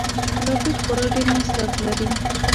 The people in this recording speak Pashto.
راکټ خورا ډېر مصرف لري